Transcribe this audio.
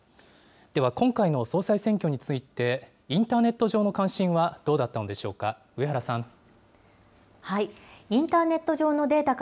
では今回の総裁選挙について、インターネット上の関心はどうだったのでしょうか。